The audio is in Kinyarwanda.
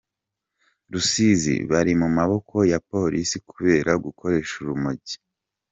Rusizi Bari mu maboko ya Polisi kubera gukoresha urumogi